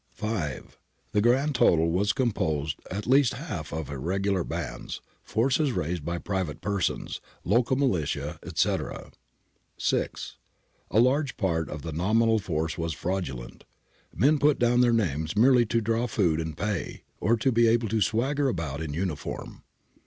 5. The grand total was composed at least half of irregular bands, forces raised by private persons, local militia, etc. {ReveVs da Ancona, 1 14.) 6. A large part of the nominal force was fraudulent ; men put down their names merely to draw food and pay, or to be able to swagger about in uniform.